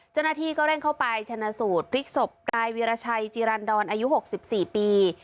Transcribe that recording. จนนาทีก็เร่งเข้าไปชนะสูตรฤทธิ์ศพรายวิรชัยจิรันดรอายุ๖๔ปี